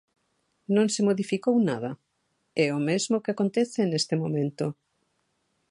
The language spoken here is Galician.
Non se modificou nada; é o mesmo que acontece neste momento.